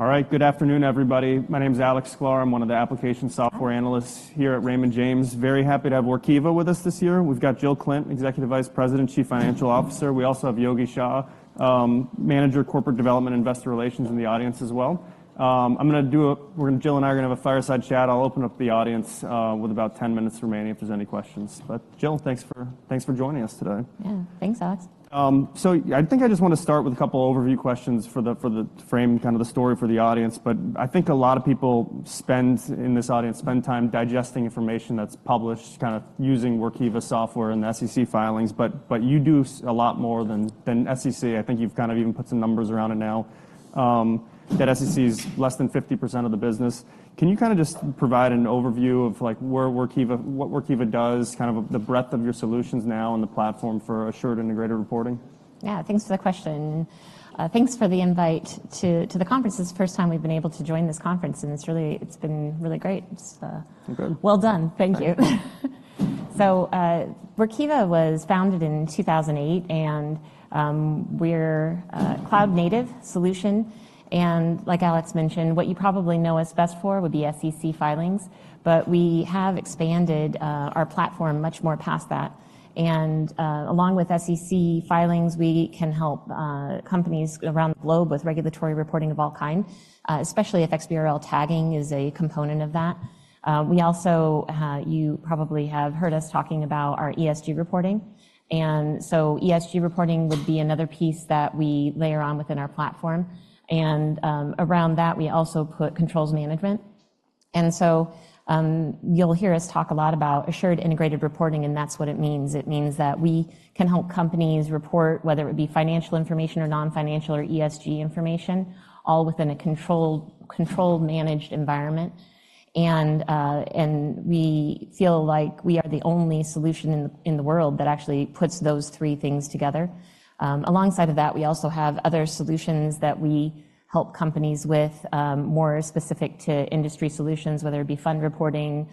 All right. Good afternoon, everybody. My name's Alex Sklar. I'm one of the application software analysts here at Raymond James. Very happy to have Workiva with us this year. We've got Jill Klindt, Executive Vice President, Chief Financial Officer. We also have Yogi Shah, Manager, Corporate Development and Investor Relations in the audience as well. Jill and I are gonna have a fireside chat. I'll open up the audience with about 10 minutes remaining if there's any questions. But Jill, thanks for joining us today. Yeah. Thanks, Alex. I think I just wanna start with a couple overview questions for the frame kind of the story for the audience. But I think a lot of people in this audience spend time digesting information that's published kind of using Workiva software and the SEC filings. But you do a lot more than SEC. I think you've kind of even put some numbers around it now that SEC's less than 50% of the business. Can you kinda just provide an overview of, like, where Workiva what Workiva does, kind of the breadth of your solutions now and the platform for Assured Integrated Reporting? Yeah. Thanks for the question. Thanks for the invite to the conference. It's the first time we've been able to join this conference. And it's really been really great. It's, Good. Well done. Thank you. So, Workiva was founded in 2008. And, we're cloud-native solution. And like Alex mentioned, what you probably know us best for would be SEC filings. But we have expanded our platform much more past that. And, along with SEC filings, we can help companies around the globe with regulatory reporting of all kind, especially if XBRL tagging is a component of that. We also, you probably have heard us talking about our ESG reporting. And so ESG reporting would be another piece that we layer on within our platform. And, around that, we also put controls management. And so, you'll hear us talk a lot about Assured Integrated Reporting. And that's what it means. It means that we can help companies report whether it be financial information or non-financial or ESG information, all within a controlled controlled managed environment. And we feel like we are the only solution in the world that actually puts those three things together. Alongside of that, we also have other solutions that we help companies with, more specific to industry solutions, whether it be fund reporting,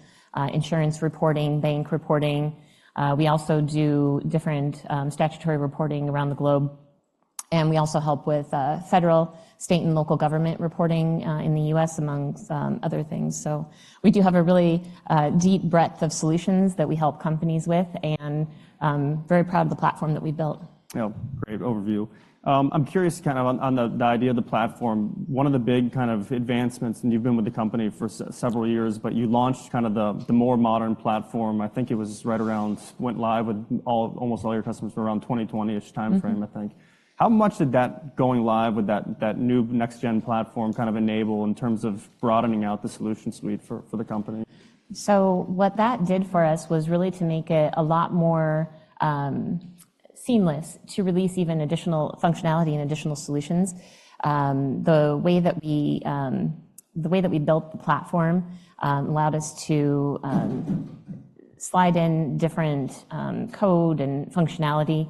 insurance reporting, bank reporting. We also do different statutory reporting around the globe. And we also help with federal, state, and local government reporting, in the US amongst other things. So we do have a really deep breadth of solutions that we help companies with. And very proud of the platform that we built. Yeah. Great overview. I'm curious kind of on the idea of the platform. One of the big kind of advancements and you've been with the company for several years. But you launched kind of the more modern platform. I think it was right around went live with almost all your customers around 2020-ish timeframe, I think. How much did that going live with that new next-gen platform kind of enable in terms of broadening out the solution suite for the company? So what that did for us was really to make it a lot more seamless to release even additional functionality and additional solutions. The way that we, the way that we built the platform, allowed us to slide in different code and functionality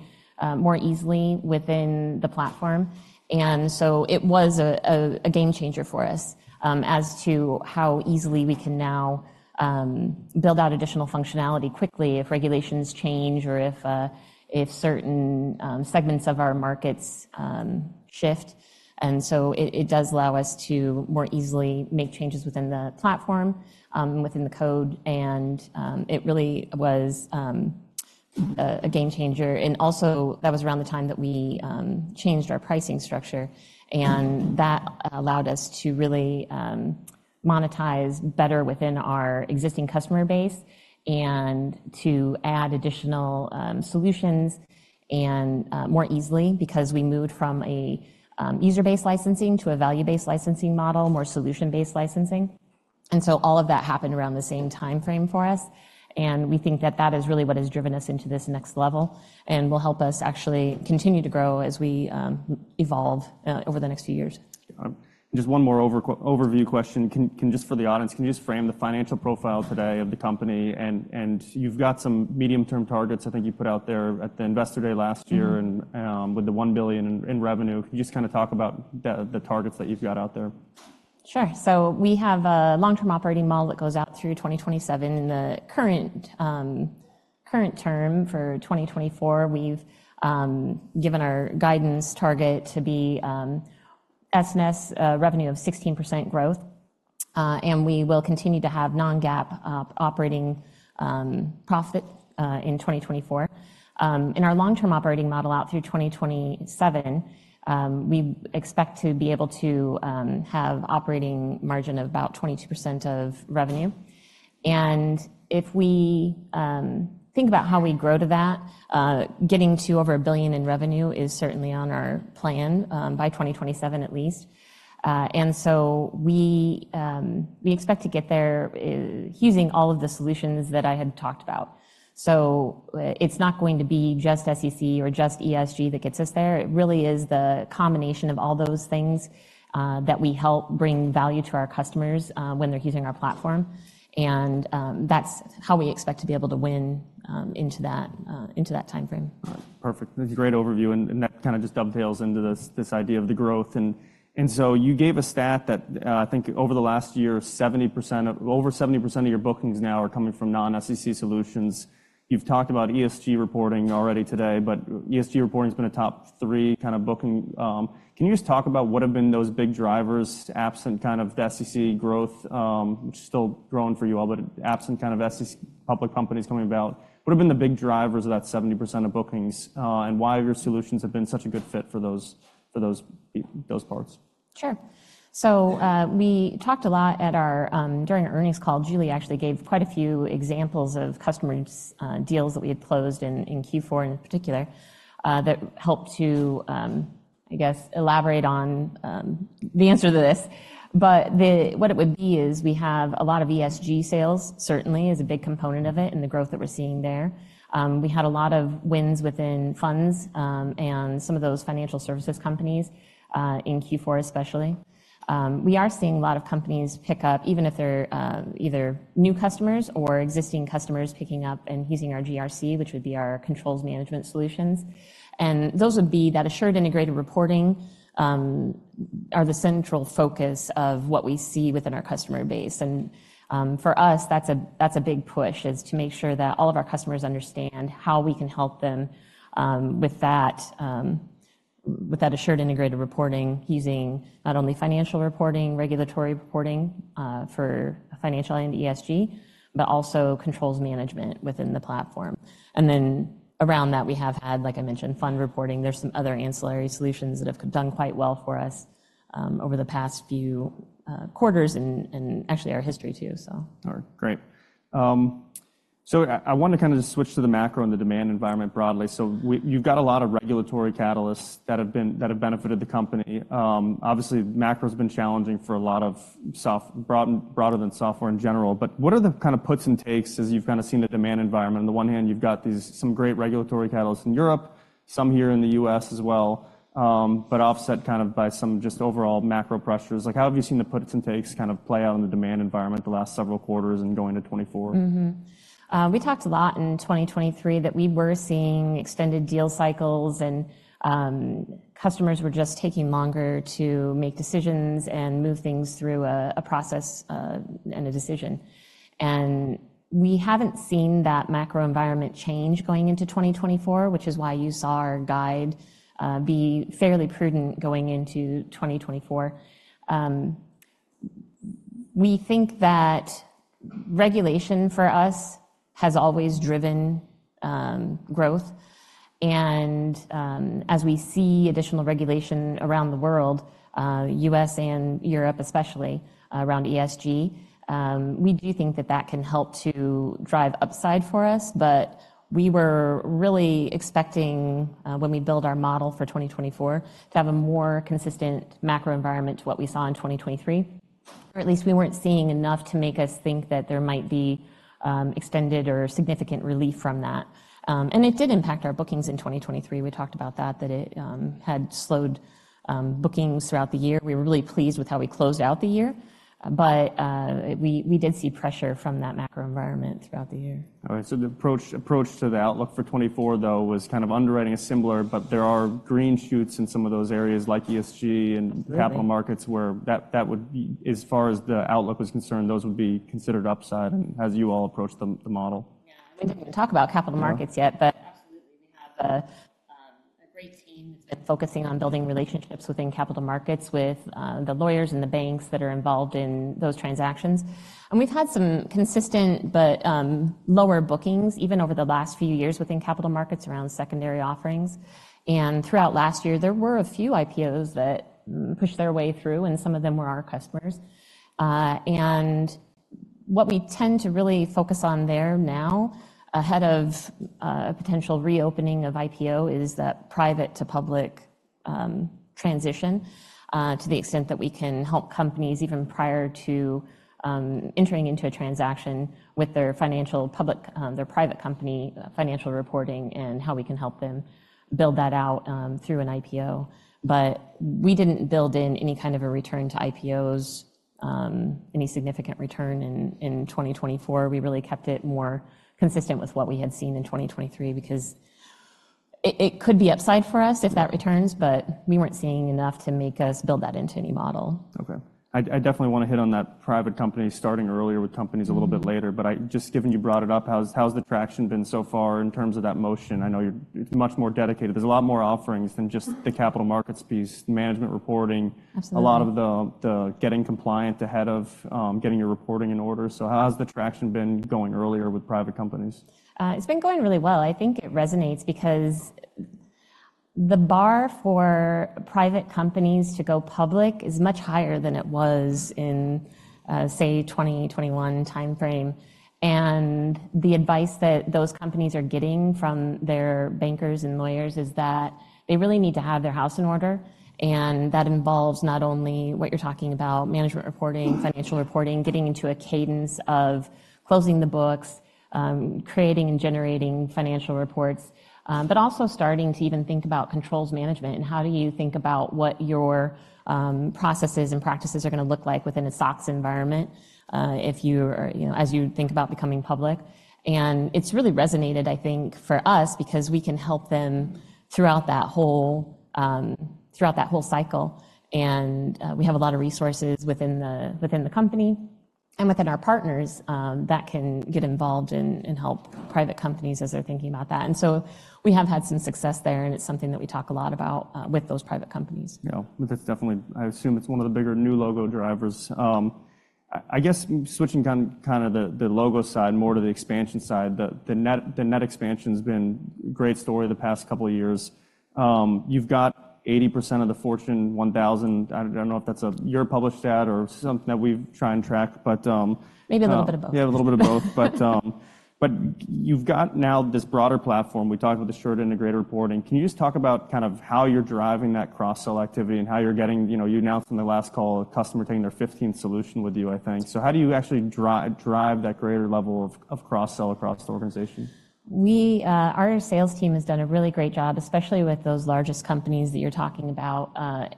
more easily within the platform. And so it was a game changer for us as to how easily we can now build out additional functionality quickly if regulations change or if certain segments of our markets shift. And so it does allow us to more easily make changes within the platform, within the code. And it really was a game changer. And also, that was around the time that we changed our pricing structure. That allowed us to really monetize better within our existing customer base and to add additional solutions and more easily because we moved from a user-based licensing to a value-based licensing model, more solution-based licensing. So all of that happened around the same timeframe for us. We think that that is really what has driven us into this next level and will help us actually continue to grow as we evolve over the next few years. Yeah, just one more overview question. Can you just, for the audience, frame the financial profile today of the company? And you've got some medium-term targets, I think, you put out there at the Investor Day last year. And with the $1 billion in revenue, can you just kinda talk about the targets that you've got out there? Sure. So we have a long-term operating model that goes out through 2027. In the current term for 2024, we've given our guidance target to be SaaS revenue of 16% growth. We will continue to have non-GAAP operating profit in 2024. In our long-term operating model out through 2027, we expect to be able to have operating margin of about 22% of revenue. And if we think about how we grow to that, getting to over a billion in revenue is certainly on our plan by 2027 at least. We expect to get there using all of the solutions that I had talked about. So it's not going to be just SEC or just ESG that gets us there. It really is the combination of all those things that we help bring value to our customers when they're using our platform. That's how we expect to be able to win into that timeframe. All right. Perfect. That's a great overview. And that kinda just dovetails into this idea of the growth. And so you gave a stat that, I think over the last year, 70% of over 70% of your bookings now are coming from non-SEC solutions. You've talked about ESG reporting already today. But ESG reporting's been a top three kinda booking. Can you just talk about what have been those big drivers, absent kind of SEC growth, which is still growing for you all, but absent kind of SEC public companies coming about? What have been the big drivers of that 70% of bookings, and why have your solutions have been such a good fit for those parts? Sure. So, we talked a lot at our, during our earnings call. Julie actually gave quite a few examples of customers, deals that we had closed in, in Q4 in particular, that helped to, I guess, elaborate on, the answer to this. But the what it would be is we have a lot of ESG sales, certainly, is a big component of it and the growth that we're seeing there. We had a lot of wins within funds, and some of those financial services companies, in Q4 especially. We are seeing a lot of companies pick up even if they're, either new customers or existing customers picking up and using our GRC, which would be our controls management solutions. And those would be that Assured Integrated Reporting, are the central focus of what we see within our customer base. And, for us, that's a big push to make sure that all of our customers understand how we can help them with that assured integrated reporting using not only financial reporting, regulatory reporting for financial and ESG, but also controls management within the platform. And then around that, we have had, like I mentioned, fund reporting. There's some other ancillary solutions that have done quite well for us over the past few quarters, and actually our history too, so. All right. Great. So I wanna kinda just switch to the macro and the demand environment broadly. So you've got a lot of regulatory catalysts that have benefited the company. Obviously, macro's been challenging for a lot of software, broader than software in general. But what are the kinda puts and takes as you've kinda seen the demand environment? On the one hand, you've got these great regulatory catalysts in Europe, some here in the US as well, but offset kind of by some just overall macro pressures. Like, how have you seen the puts and takes kind of play out in the demand environment the last several quarters and going to 2024? Mm-hmm. We talked a lot in 2023 that we were seeing extended deal cycles. Customers were just taking longer to make decisions and move things through a process, and a decision. We haven't seen that macro environment change going into 2024, which is why you saw our guide be fairly prudent going into 2024. We think that regulation for us has always driven growth. As we see additional regulation around the world, U.S. and Europe especially, around ESG, we do think that that can help to drive upside for us. We were really expecting, when we build our model for 2024, to have a more consistent macro environment to what we saw in 2023. Or at least we weren't seeing enough to make us think that there might be extended or significant relief from that. It did impact our bookings in 2023. We talked about that it had slowed bookings throughout the year. We were really pleased with how we closed out the year. But we did see pressure from that macro environment throughout the year. All right. So the approach to the outlook for 2024, though, was kind of underwriting a similar. But there are green shoots in some of those areas like ESG and capital markets where that would be as far as the outlook was concerned, those would be considered upside. And has you all approached the model? Yeah. We didn't even talk about capital markets yet. But. Absolutely. We have a great team that's been focusing on building relationships within capital markets with the lawyers and the banks that are involved in those transactions. We've had some consistent but lower bookings even over the last few years within capital markets around secondary offerings. Throughout last year, there were a few IPOs that pushed their way through. Some of them were our customers. What we tend to really focus on there now ahead of a potential reopening of IPO is that private-to-public transition, to the extent that we can help companies even prior to entering into a transaction with their financial public, their private company, financial reporting and how we can help them build that out through an IPO. But we didn't build in any kind of a return to IPOs, any significant return in 2024. We really kept it more consistent with what we had seen in 2023 because it, it could be upside for us if that returns. But we weren't seeing enough to make us build that into any model. Okay. I definitely wanna hit on that private companies starting earlier with companies a little bit later. But just given you brought it up, how's the traction been so far in terms of that motion? I know. It's much more dedicated. There's a lot more offerings than just the capital markets piece, management reporting. Absolutely. A lot of the getting compliant ahead of getting your reporting in order. So how has the traction been going earlier with private companies? It's been going really well. I think it resonates because the bar for private companies to go public is much higher than it was in, say, 2021 timeframe. The advice that those companies are getting from their bankers and lawyers is that they really need to have their house in order. That involves not only what you're talking about, management reporting, financial reporting, getting into a cadence of closing the books, creating and generating financial reports, but also starting to even think about controls management and how do you think about what your processes and practices are gonna look like within a SOX environment, if you are, you know, as you think about becoming public. It's really resonated, I think, for us because we can help them throughout that whole cycle. We have a lot of resources within the company and within our partners that can get involved in helping private companies as they're thinking about that. So we have had some success there. It's something that we talk a lot about with those private companies. Yeah. That's definitely. I assume it's one of the bigger new logo drivers. I guess switching kinda the logo side more to the expansion side, the net expansion's been a great story the past couple of years. You've got 80% of the Fortune 1000. I don't know if that's your published data or something that we've tried and tracked. But, Maybe a little bit of both. Yeah. A little bit of both. But you've got now this broader platform. We talked about the shared integrated reporting. Can you just talk about kind of how you're driving that cross-sell activity and how you're getting, you know, you announced on the last call a customer taking their 15th solution with you, I think? So how do you actually drive that greater level of cross-sell across the organization? Our sales team has done a really great job, especially with those largest companies that you're talking about,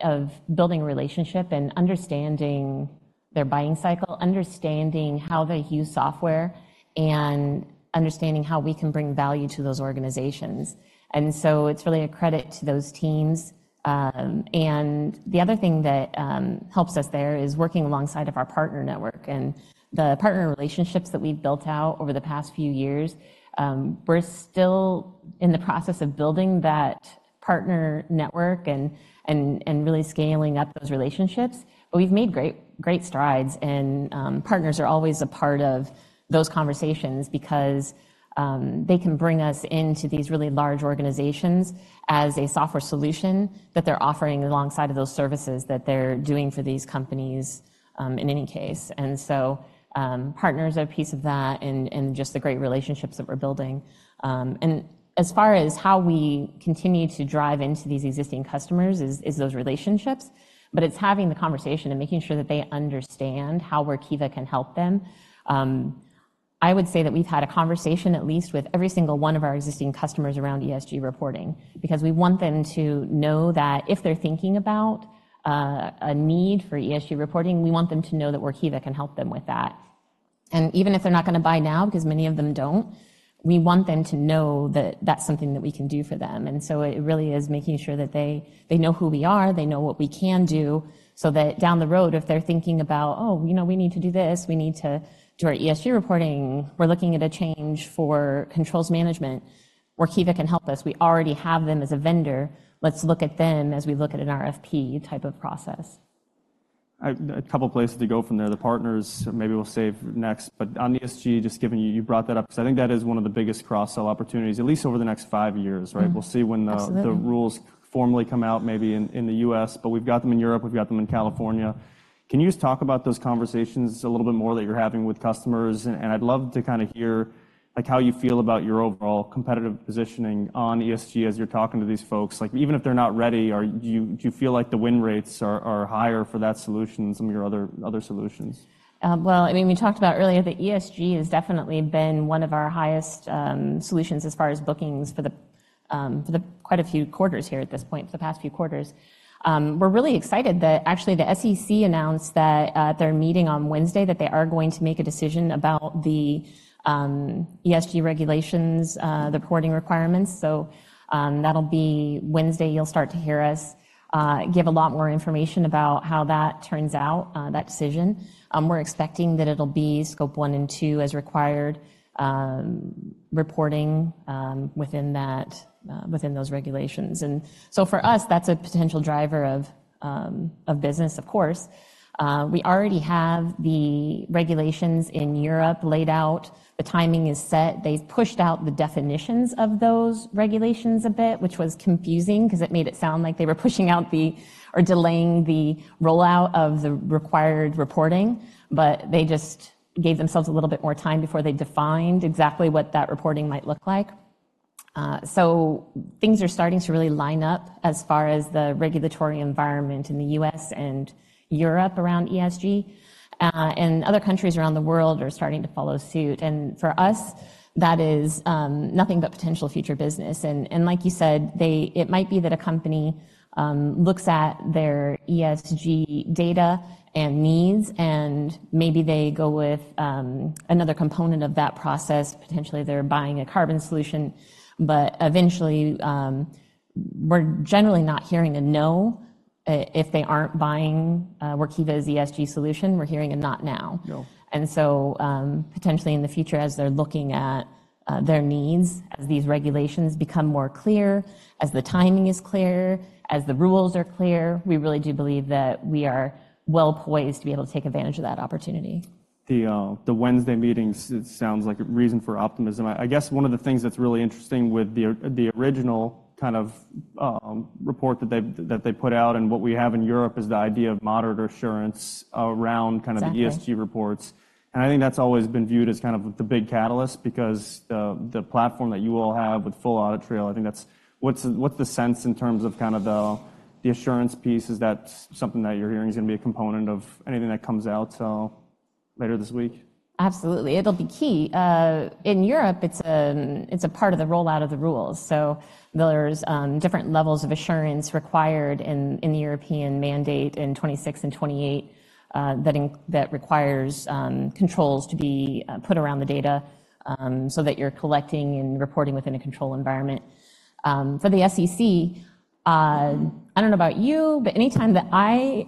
of building a relationship and understanding their buying cycle, understanding how they use software, and understanding how we can bring value to those organizations. And so it's really a credit to those teams. And the other thing that helps us there is working alongside of our partner network. And the partner relationships that we've built out over the past few years. We're still in the process of building that partner network and really scaling up those relationships. But we've made great, great strides. And partners are always a part of those conversations because they can bring us into these really large organizations as a software solution that they're offering alongside of those services that they're doing for these companies, in any case. And so, partners are a piece of that and just the great relationships that we're building. And as far as how we continue to drive into these existing customers is those relationships. But it's having the conversation and making sure that they understand how Workiva can help them. I would say that we've had a conversation at least with every single one of our existing customers around ESG reporting because we want them to know that if they're thinking about a need for ESG reporting, we want them to know that Workiva can help them with that. And even if they're not gonna buy now because many of them don't, we want them to know that that's something that we can do for them. And so it really is making sure that they know who we are. They know what we can do so that down the road, if they're thinking about, "Oh, you know, we need to do this. We need to do our ESG reporting. We're looking at a change for controls management. Workiva can help us. We already have them as a vendor. Let's look at them as we look at an RFP type of process. I've a couple of places to go from there. The partners, maybe we'll save next. But on ESG, just giving you – you brought that up. So I think that is one of the biggest cross-sell opportunities, at least over the next five years, right? We'll see when the. Absolutely. The rules formally come out maybe in, in the U.S. But we've got them in Europe. We've got them in California. Can you just talk about those conversations a little bit more that you're having with customers? And, and I'd love to kinda hear, like, how you feel about your overall competitive positioning on ESG as you're talking to these folks. Like, even if they're not ready, are you do you feel like the win rates are, are higher for that solution and some of your other, other solutions? Well, I mean, we talked about earlier that ESG has definitely been one of our highest solutions as far as bookings for quite a few quarters here at this point, for the past few quarters. We're really excited that actually the SEC announced that at their meeting on Wednesday they are going to make a decision about the ESG regulations, the reporting requirements. So, that'll be Wednesday. You'll start to hear us give a lot more information about how that turns out, that decision. We're expecting that it'll be Scope 1 and 2 as required reporting within that, within those regulations. And so for us, that's a potential driver of business, of course. We already have the regulations in Europe laid out. The timing is set. They've pushed out the definitions of those regulations a bit, which was confusing because it made it sound like they were pushing out or delaying the rollout of the required reporting. But they just gave themselves a little bit more time before they defined exactly what that reporting might look like. So things are starting to really line up as far as the regulatory environment in the U.S. and Europe around ESG. Other countries around the world are starting to follow suit. And for us, that is nothing but potential future business. And like you said, it might be that a company looks at their ESG data and needs. And maybe they go with another component of that process. Potentially, they're buying a carbon solution. But eventually, we're generally not hearing a no if they aren't buying Workiva's ESG solution. We're hearing a not now. Yeah. And so, potentially in the future, as they're looking at their needs, as these regulations become more clear, as the timing is clear, as the rules are clear, we really do believe that we are well poised to be able to take advantage of that opportunity. The Wednesday meetings, it sounds like a reason for optimism. I guess one of the things that's really interesting with the original kind of report that they put out and what we have in Europe is the idea of moderate assurance around kind of the ESG reports. Exactly. I think that's always been viewed as kind of the big catalyst because the platform that you all have with full audit trail, I think that's what's the sense in terms of kind of the assurance piece? Is that something that you're hearing is gonna be a component of anything that comes out later this week? Absolutely. It'll be key. In Europe, it's a part of the rollout of the rules. So there's different levels of assurance required in the European mandate in 2026 and 2028, that requires controls to be put around the data, so that you're collecting and reporting within a control environment. For the SEC, I don't know about you, but anytime that we're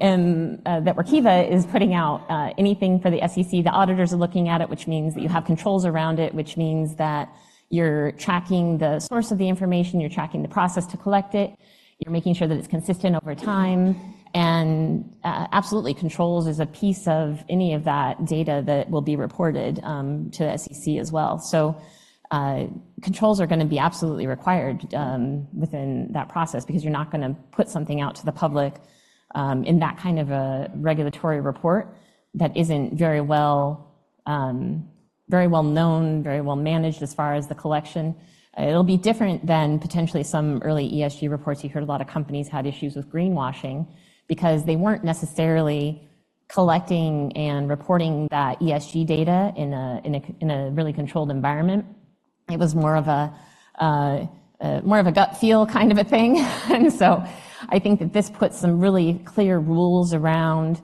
Workiva is putting out anything for the SEC, the auditors are looking at it, which means that you have controls around it, which means that you're tracking the source of the information. You're tracking the process to collect it. You're making sure that it's consistent over time. And absolutely, controls is a piece of any of that data that will be reported to the SEC as well. So, controls are gonna be absolutely required within that process because you're not gonna put something out to the public in that kind of a regulatory report that isn't very well, very well known, very well managed as far as the collection. It'll be different than potentially some early ESG reports. You heard a lot of companies had issues with greenwashing because they weren't necessarily collecting and reporting that ESG data in a really controlled environment. It was more of a gut feel kind of a thing. And so I think that this puts some really clear rules around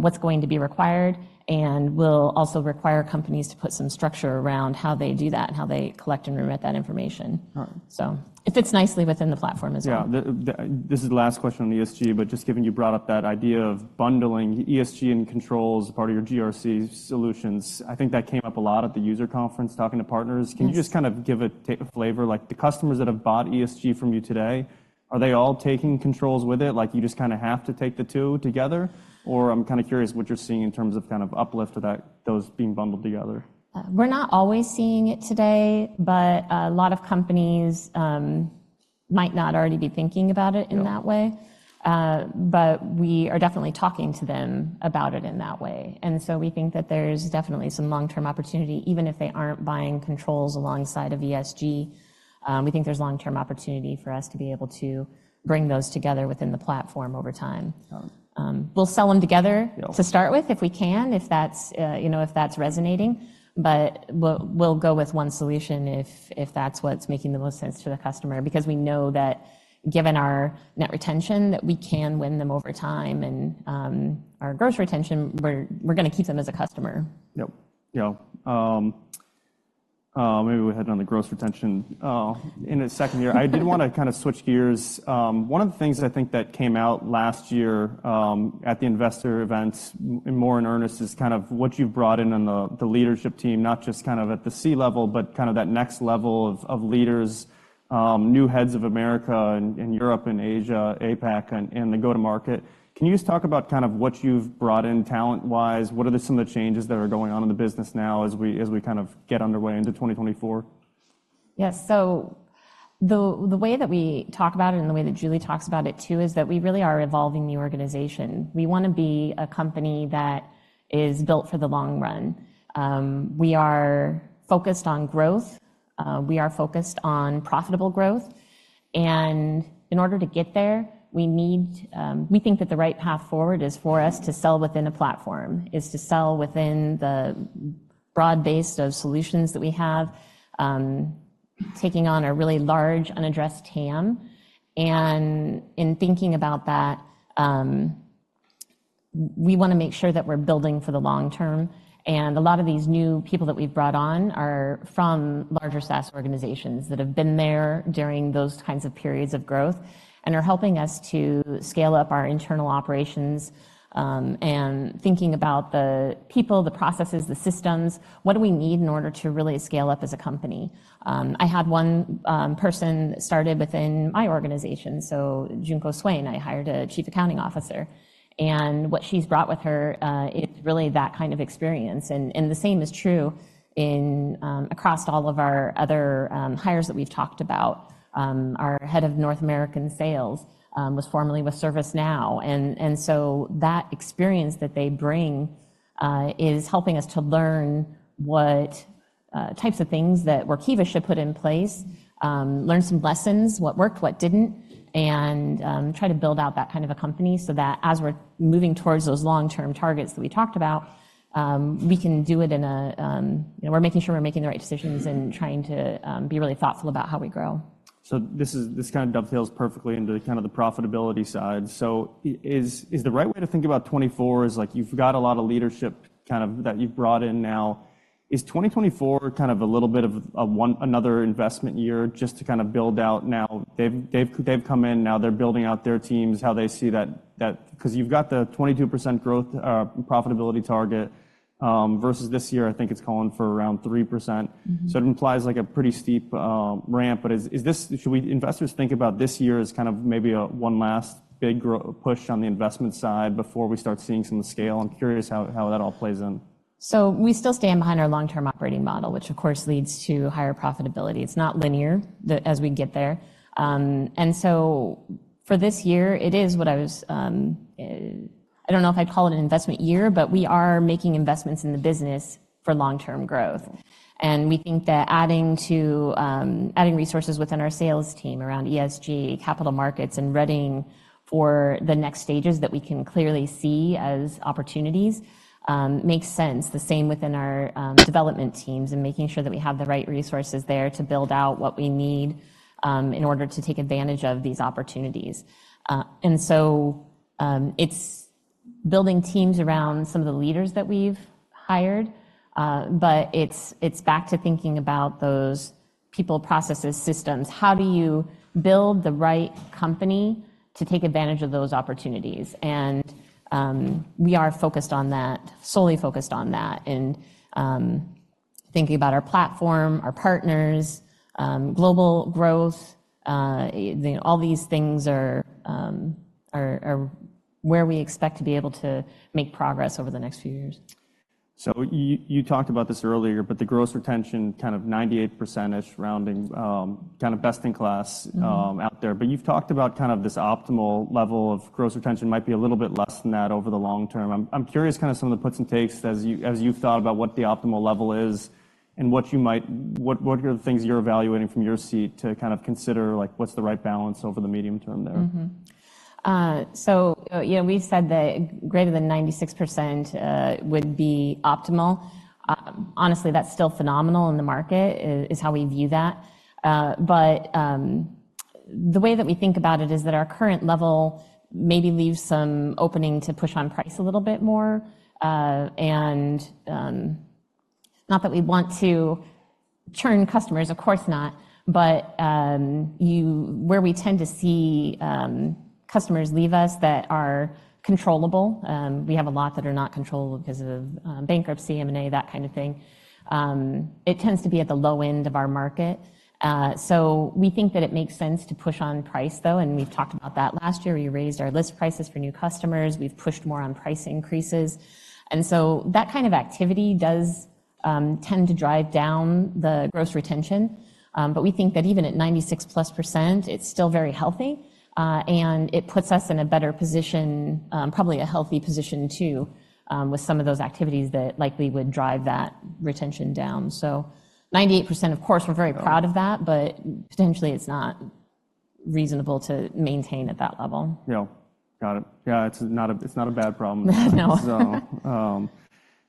what's going to be required and will also require companies to put some structure around how they do that and how they collect and remit that information. All right. So it fits nicely within the platform as well. Yeah. This is the last question on ESG. But just given you brought up that idea of bundling ESG and controls as part of your GRC solutions, I think that came up a lot at the user conference talking to partners. Yeah. Can you just kind of give a flavor? Like, the customers that have bought ESG from you today, are they all taking controls with it? Like, you just kinda have to take the two together? Or I'm kinda curious what you're seeing in terms of kind of uplift of that those being bundled together. We're not always seeing it today. But a lot of companies might not already be thinking about it in that way. Yeah. But we are definitely talking to them about it in that way. And so we think that there's definitely some long-term opportunity, even if they aren't buying controls alongside of ESG. We think there's long-term opportunity for us to be able to bring those together within the platform over time. All right. We'll sell them together. Yeah. To start with, if we can, if that's, you know, if that's resonating. But we'll go with one solution if that's what's making the most sense to the customer because we know that given our net retention, that we can win them over time and our gross retention, we're gonna keep them as a customer. Yep. Yeah. Maybe we'll head on to gross retention in a second here. I did wanna kinda switch gears. One of the things I think that came out last year at the investor events in more earnest is kind of what you've brought in on the leadership team, not just kind of at the C level, but kind of that next level of leaders, new heads of America and Europe and APAC, and the go-to-market. Can you just talk about kind of what you've brought in talent-wise? What are some of the changes that are going on in the business now as we kinda get underway into 2024? Yes. So the way that we talk about it and the way that Julie talks about it too is that we really are evolving the organization. We wanna be a company that is built for the long run. We are focused on growth. We are focused on profitable growth. And in order to get there, we need, we think that the right path forward is for us to sell within a platform, to sell within the broad base of solutions that we have, taking on a really large unaddressed TAM. And in thinking about that, we wanna make sure that we're building for the long term. A lot of these new people that we've brought on are from larger SaaS organizations that have been there during those kinds of periods of growth and are helping us to scale up our internal operations, and thinking about the people, the processes, the systems, what do we need in order to really scale up as a company? I had one person started within my organization. So Junko Swain, I hired a chief accounting officer. And what she's brought with her is really that kind of experience. And the same is true in across all of our other hires that we've talked about. Our head of North American sales was formerly with ServiceNow. And so that experience that they bring is helping us to learn what types of things that we're Workiva should put in place, learn some lessons, what worked, what didn't, and try to build out that kind of a company so that as we're moving towards those long-term targets that we talked about, we can do it in a, you know, we're making sure we're making the right decisions and trying to be really thoughtful about how we grow. So this kinda dovetails perfectly into kind of the profitability side. So is the right way to think about 2024 is, like, you've got a lot of leadership kind of that you've brought in now. Is 2024 kind of a little bit of a one another investment year just to kinda build out now? They've come in. Now they're building out their teams, how they see that because you've got the 22% growth, profitability target, versus this year, I think it's calling for around 3%. Mm-hmm. So it implies, like, a pretty steep ramp. But is this? Should we investors think about this year as kind of maybe a one last big grow push on the investment side before we start seeing some of the scale? I'm curious how that all plays in. So we still stand behind our long-term operating model, which, of course, leads to higher profitability. It's not linear, though, as we get there. So for this year, it is what I was. I don't know if I'd call it an investment year. But we are making investments in the business for long-term growth. And we think that adding to, adding resources within our sales team around ESG, capital markets, and readying for the next stages that we can clearly see as opportunities, makes sense, the same within our development teams and making sure that we have the right resources there to build out what we need in order to take advantage of these opportunities. So it's building teams around some of the leaders that we've hired. But it's, it's back to thinking about those people, processes, systems. How do you build the right company to take advantage of those opportunities? And, we are focused on that, solely focused on that. And, thinking about our platform, our partners, global growth, you know, all these things are where we expect to be able to make progress over the next few years. So you talked about this earlier. But the gross retention kind of 98%-ish rounding, kind of best in class, out there. But you've talked about kind of this optimal level of gross retention might be a little bit less than that over the long term. I'm curious kinda some of the puts and takes as you've thought about what the optimal level is and what you might, what are the things you're evaluating from your seat to kind of consider, like, what's the right balance over the medium term there? Mm-hmm. So, you know, we've said that greater than 96% would be optimal. Honestly, that's still phenomenal in the market, is how we view that. But the way that we think about it is that our current level maybe leaves some opening to push on price a little bit more. And not that we want to churn customers, of course not. But you where we tend to see customers leave us that are controllable. We have a lot that are not controllable because of bankruptcy, M&A, that kind of thing. It tends to be at the low end of our market. So we think that it makes sense to push on price, though. We've talked about that last year. We raised our list prices for new customers. We've pushed more on price increases. And so that kind of activity does tend to drive down the gross retention. But we think that even at 96+%, it's still very healthy. And it puts us in a better position, probably a healthy position too, with some of those activities that likely would drive that retention down. So 98%, of course, we're very proud of that. But potentially, it's not reasonable to maintain at that level. Yeah. Got it. Yeah. It's not a bad problem. No. So,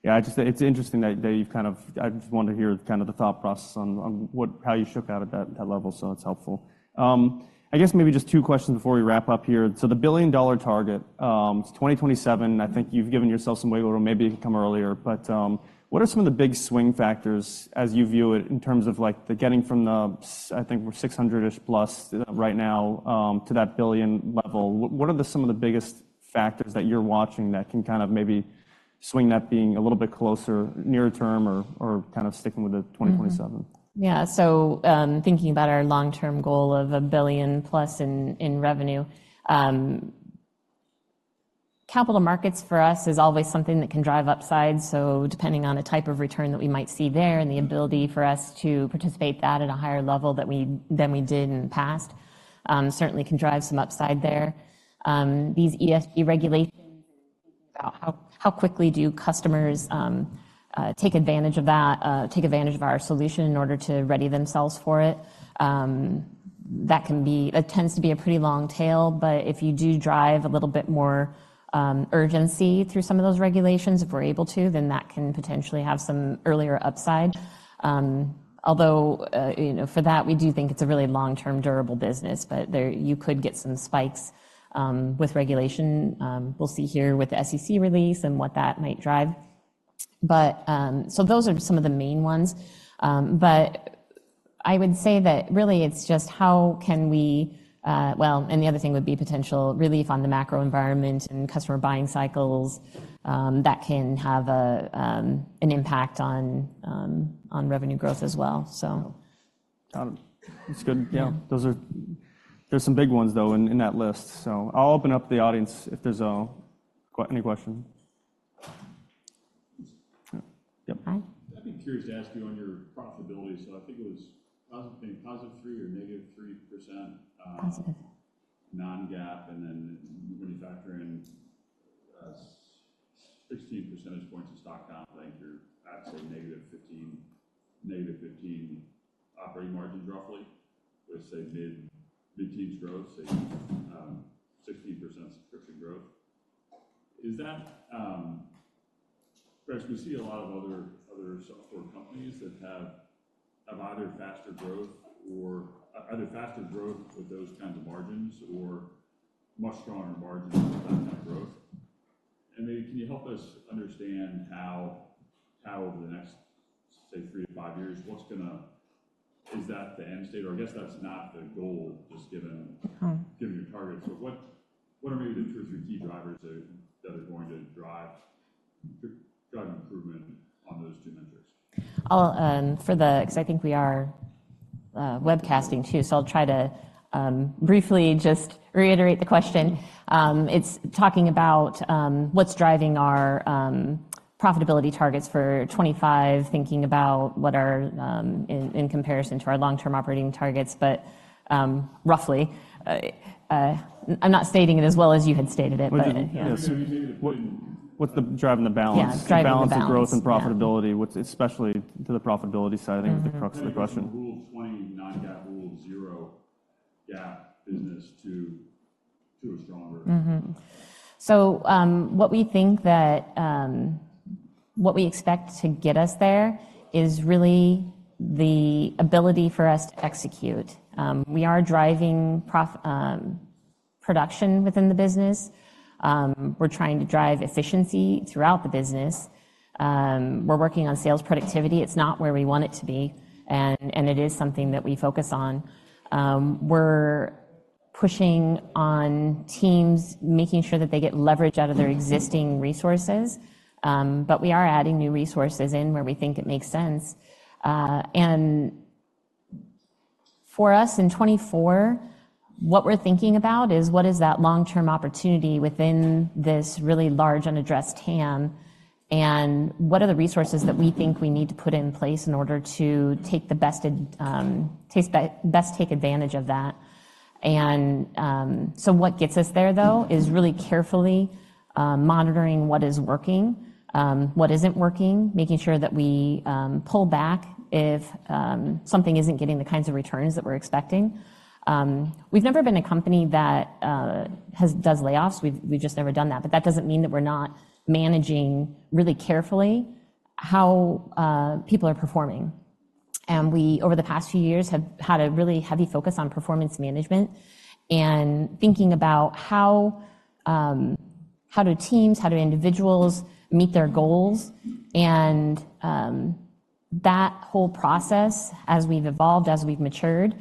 yeah. It's interesting that you've kind of—I just wanted to hear kind of the thought process on what how you shook out at that level. So it's helpful. I guess maybe just two questions before we wrap up here. So the billion-dollar target, it's 2027. I think you've given yourself some wiggle room. Maybe you can come earlier. But, what are some of the big swing factors as you view it in terms of, like, the getting from the—I think we're 600-ish plus right now, to that billion level? What are some of the biggest factors that you're watching that can kind of maybe swing that being a little bit closer nearer term or kind of sticking with the 2027? Yeah. So, thinking about our long-term goal of $1 billion+ in revenue, capital markets for us is always something that can drive upside. So depending on the type of return that we might see there and the ability for us to participate in that at a higher level than we did in the past, certainly can drive some upside there. These ESG regulations and thinking about how quickly do customers take advantage of that, take advantage of our solution in order to ready themselves for it, that tends to be a pretty long tail. But if you do drive a little bit more urgency through some of those regulations, if we're able to, then that can potentially have some earlier upside. Although, you know, for that, we do think it's a really long-term, durable business. But there you could get some spikes with regulation. We'll see here with the SEC release and what that might drive. But so those are some of the main ones. But I would say that really it's just how can we well and the other thing would be potential relief on the macro environment and customer buying cycles that can have an impact on revenue growth as well. So. Got it. That's good. Yeah. Those are. There's some big ones, though, in that list. So I'll open up to the audience if there's any question. Yep. Hi. I'd be curious to ask you on your profitability. I think it was +3% or -3%. Positive. Non-GAAP. And then when you factor in, say 16 percentage points of stock comp, I think you're at, say, negative 15, negative 15 operating margins, roughly, with, say, mid-teens growth, say, 16% subscription growth. Is that right? Because we see a lot of other software companies that have either faster growth or either faster growth with those kinds of margins or much stronger margins with that kind of growth. And maybe can you help us understand how over the next, say, 3-5 years, what's gonna is that the end state? Or I guess that's not the goal just given. Huh. Given your target. So what are maybe the two or three key drivers that are going to drive improvement on those two metrics? I'll, because I think we are webcasting too. So I'll try to briefly just reiterate the question. It's talking about what's driving our profitability targets for 2025, thinking about what are in comparison to our long-term operating targets. But roughly, I'm not stating it as well as you had stated it. But yeah. Yeah. So you're taking it, what, what's driving the balance? Yeah. Driving the balance. The balance of growth and profitability, what's especially to the profitability side, I think, is the crux of the question. Rule of 40, non-GAAP, Rule of 0, GAAP business to a stronger. Mm-hmm. So, what we think that, what we expect to get us there is really the ability for us to execute. We are driving profitability within the business. We're trying to drive efficiency throughout the business. We're working on sales productivity. It's not where we want it to be. And it is something that we focus on. We're pushing on teams, making sure that they get leverage out of their existing resources. But we are adding new resources in where we think it makes sense. And for us in 2024, what we're thinking about is, what is that long-term opportunity within this really large unaddressed TAM? And what are the resources that we think we need to put in place in order to take best advantage of that? What gets us there, though, is really carefully monitoring what is working, what isn't working, making sure that we pull back if something isn't getting the kinds of returns that we're expecting. We've never been a company that has does layoffs. We've just never done that. But that doesn't mean that we're not managing really carefully how people are performing. And we, over the past few years, have had a really heavy focus on performance management and thinking about how, how do teams, how do individuals meet their goals? And that whole process, as we've evolved, as we've matured,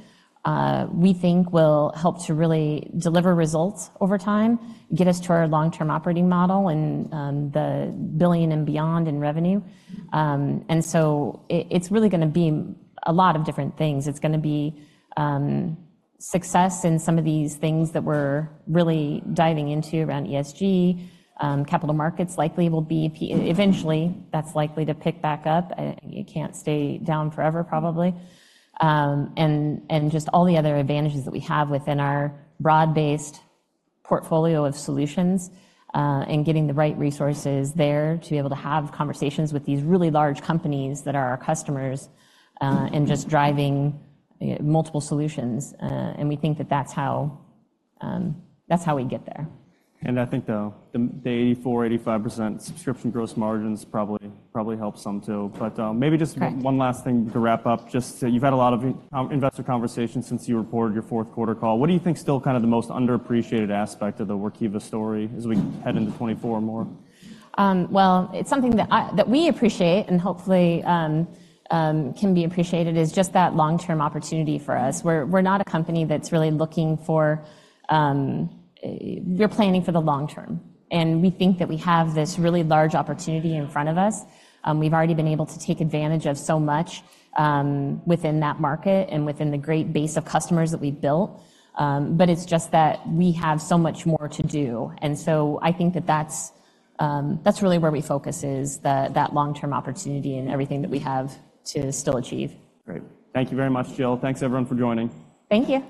we think will help to really deliver results over time, get us to our long-term operating model and the billion and beyond in revenue. And so it's really gonna be a lot of different things. It's gonna be success in some of these things that we're really diving into around ESG. Capital markets likely will be eventually, that's likely to pick back up. It can't stay down forever, probably. And, and just all the other advantages that we have within our broad-based portfolio of solutions, and getting the right resources there to be able to have conversations with these really large companies that are our customers, and just driving, you know, multiple solutions. And we think that that's how, that's how we get there. I think, though, the 84%-85% subscription gross margins probably help some too. But maybe just. Yeah. One last thing to wrap up, just to you've had a lot of investor conversations since you reported your fourth quarter call. What do you think's still kind of the most underappreciated aspect of the Workiva story as we head into 2024 more? Well, it's something that we appreciate and hopefully can be appreciated is just that long-term opportunity for us. We're not a company that's really looking for; we're planning for the long term. And we think that we have this really large opportunity in front of us. We've already been able to take advantage of so much within that market and within the great base of customers that we've built. But it's just that we have so much more to do. And so I think that that's really where we focus is that long-term opportunity and everything that we have to still achieve. Great. Thank you very much, Jill. Thanks, everyone, for joining. Thank you.